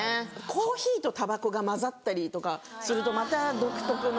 コーヒーとたばこが混ざったりとかするとまた独特の。